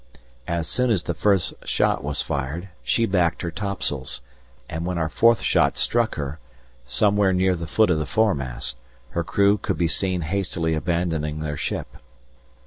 As soon as the first shot was fired, she backed her topsails, and when our fourth shot struck her, somewhere near the foot of the foremast, her crew could be seen hastily abandoning their ship.